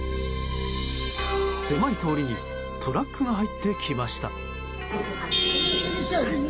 狭い通りにトラックが入ってきました。